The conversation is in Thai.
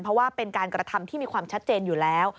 เพราะว่าเป็นการกระทำที่มีความชัดเจนอยู่แล้ว